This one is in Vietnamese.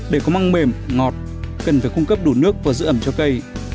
để có măng mềm ngọt cần phải cung cấp đủ nước và giữ ẩm cho cây